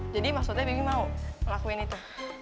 jadi maksudnya bibi mau ngelakuin itu